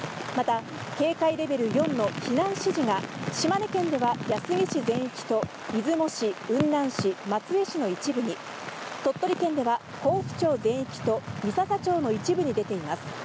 また警戒レベル４の避難指示が島根県では安来市全域と出雲市、雲南市、松江市の一部に鳥取県では江府町全域と三朝町の一部に出ています。